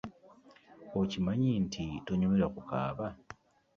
Okimanyi nti tonyumirwa ku kaaba?